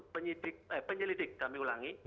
penyidik eh penyelidik kami ulangi